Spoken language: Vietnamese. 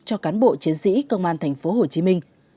cho cán bộ chiến sĩ công an tp hcm